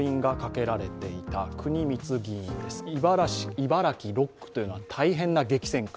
茨城６区というのは大変な激戦区